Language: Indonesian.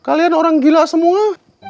kalian orang gila semua